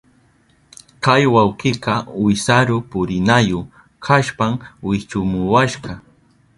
Kay wawkika wisaru purinayu kashpan wichumuwashka.